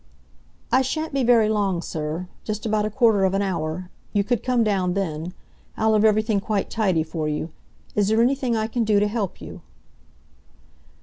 "I shan't be very long, sir. Just about a quarter of an hour. You could come down then. I'll have everything quite tidy for you. Is there anything I can do to help you?"